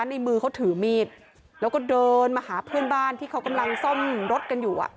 ในมือเขาถือมีดแล้วก็เดินมาหาเพื่อนบ้านที่เขากำลังซ่อมรถกันอยู่